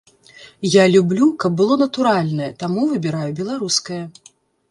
Я люблю, каб было натуральнае, таму выбіраю беларускае.